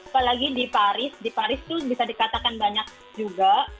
apalagi di paris di paris itu bisa dikatakan banyak juga